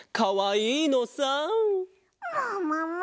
ももも！